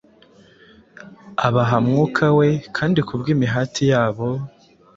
Abaha Mwuka we, kandi kubw’imihati yabo,